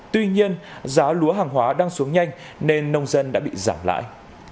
tuy nhiên giá lúa hàng hóa đang xuống nhanh nên nông dân đã bị giảm lại